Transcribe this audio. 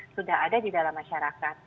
sudah ada di dalam masyarakat